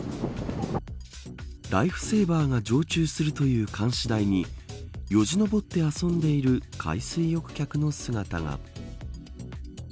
ライフセーバーが常駐するという監視台によじ登って遊んでいる海水浴客の姿が。